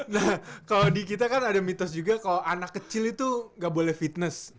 nah kalau di kita kan ada mitos juga kalau anak kecil itu nggak boleh fitness